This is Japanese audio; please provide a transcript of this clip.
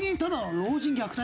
「老人虐待」。